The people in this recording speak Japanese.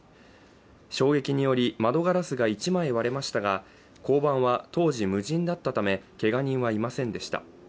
衝撃により窓ガラスが１枚割れましたが交番は当時無人だったため、けが人はいませんでした。